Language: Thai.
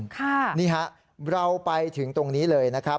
ค่ะนี่ฮะเราไปถึงตรงนี้เลยนะครับ